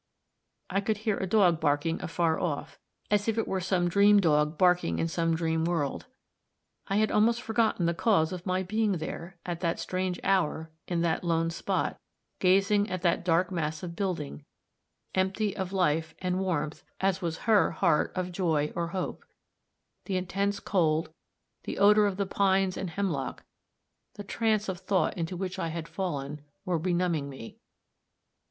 I could hear a dog barking afar off, as it were some dream dog barking in some dream world. I had almost forgotten the cause of my being there, at that strange hour, in that lone spot, gazing at that dark mass of building, empty of life and warmth as was her heart of joy or hope; the intense cold, the odor of the pines and hemlock, the trance of thought into which I had fallen, were benumbing me.